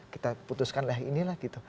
kita putuskanlah inilah gitu